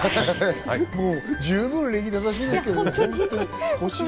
もう十分、礼儀正しいんですけどね。